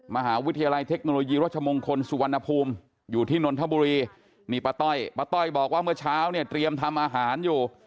มหาวิทยาลัยเทคโนโลยีรัชมงคลสุวรรณภูมิอยู่ที่นนทบุรีนี่ป้าต้อยป้าต้อยบอกว่าเมื่อเช้าเนี่ยเตรียมทำอาหารอยู่